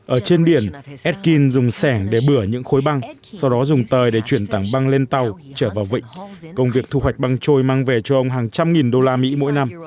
ở trên biển edin dùng sẻng để bửa những khối băng sau đó dùng tời để chuyển tảng băng lên tàu trở vào vịnh công việc thu hoạch băng trôi mang về cho ông hàng trăm nghìn đô la mỹ mỗi năm